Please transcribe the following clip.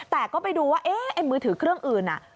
แต่ก็ไปดูว่าเอ๊ะไอ้มือถือเครื่องอื่นน่ะ